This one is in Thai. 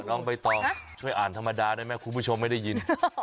น้องใบตองช่วยอ่านธรรมดาได้ไหมคุณผู้ชมไม่ได้ยิน